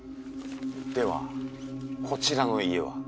ではこちらの家は。